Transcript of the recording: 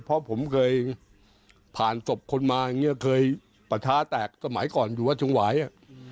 เพราะผมเคยผ่านศพคนมาอย่างนี้เคยปะท้าแตกสมัยก่อนอยู่วัดชุงหวายอ่ะ